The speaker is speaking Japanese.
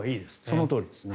そのとおりですね。